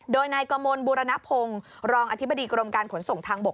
โดยนายกมลบุรณพงศ์รองอธิบดีกรมการขนส่งทางบก